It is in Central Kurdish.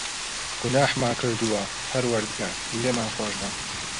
گوناحمان کردووە، پەروەردگار، لێمان خۆشبە.